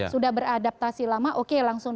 sudah beradaptasi lama oke langsung